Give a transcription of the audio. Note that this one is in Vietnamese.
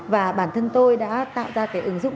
và bản thân tôi đã tạo ra cái ứng dụng